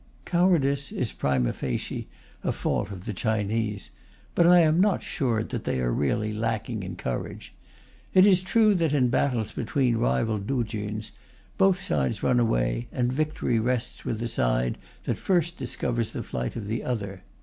Cowardice is prima facie a fault of the Chinese; but I am not sure that they are really lacking in courage. It is true that, in battles between rival tuchuns, both sides run away, and victory rests with the side that first discovers the flight of the other.